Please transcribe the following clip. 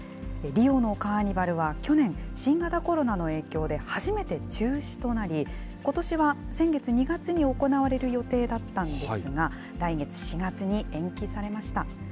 リオのカーニバルは去年、新型コロナの影響で初めて中止となり、ことしは先月２月に行われる予定だったんですが、来月４月に延期されました。